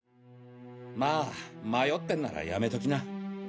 まぁ迷ってんならやめときな。